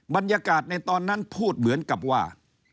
บรรยากาศในตอนนั้นพูดเหมือนกับว่า